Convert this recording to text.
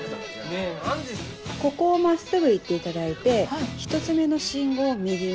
ここを真っすぐ行っていただいて１つ目の信号を右に。